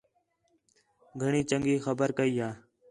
گھݨی چنڳی خبر کَئی یا